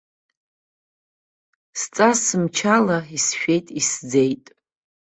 Сҵасымчала, исшәеит-изӡеит.